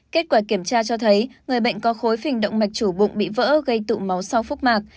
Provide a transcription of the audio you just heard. kết quả kiểm tra cho thấy người bệnh có khối phình động mạch chủ bụng bị vỡ gây tụ máu sau phúc mạc